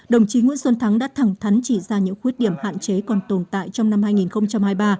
đồng chí nguyễn xuân thắng đã thẳng thắn chỉ ra những khuyết điểm hạn chế còn tồn tại trong năm hai nghìn hai mươi ba